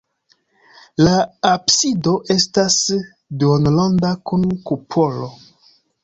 La absido estas duonronda kun kupolo.